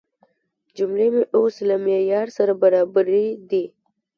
جملې مې اوس له معیار سره برابرې دي.